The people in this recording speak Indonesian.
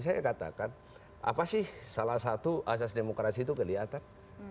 saya katakan apa sih salah satu asas demokrasi itu kelihatan